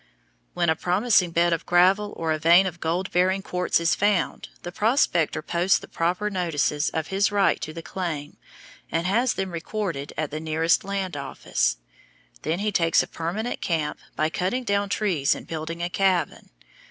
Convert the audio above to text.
When a promising bed of gravel or a vein of gold bearing quartz is found, the prospector posts the proper notices of his right to the claim and has them recorded at the nearest land office. Then he makes a permanent camp by cutting down trees and building a cabin.